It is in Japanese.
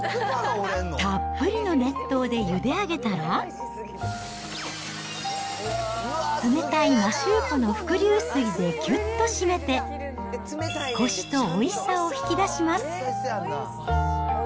たっぷりの熱湯でゆで上げたら、冷たい摩周湖の伏流水できゅっとしめて、こしとおいしさを引き出します。